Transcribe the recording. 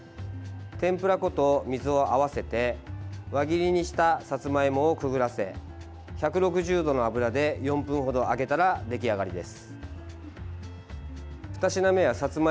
天ぷら粉と水を合わせて輪切りにしたさつまいもをくぐらせ１６０度の油で４分ほど揚げたら出来上がりです。